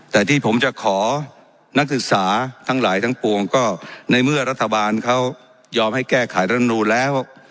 แต่ที่ผมจะขอนักศึกษาทั้งหลายทั้งปวงก็ในเมื่อรัฐบาลเขายอมให้แก้ไขรัฐมนูนแล้ว